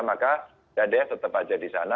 maka dadeh tetap aja di sana